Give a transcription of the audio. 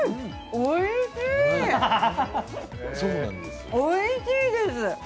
おいしいです。